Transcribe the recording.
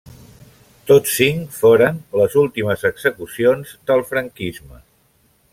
Tots cinc foren les últimes execucions del franquisme.